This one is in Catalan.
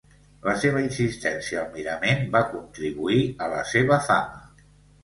La seva insistència al mirament va contribuir a la seva fama.